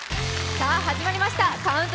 さあ始まりました。